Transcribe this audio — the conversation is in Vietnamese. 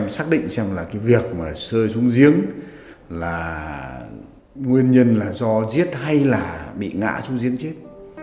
xác định xem là cái việc rơi xuống giếng là nguyên nhân do giết hay là bị ngã xuống giếng chết